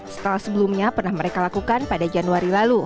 setelah sebelumnya pernah mereka lakukan pada januari lalu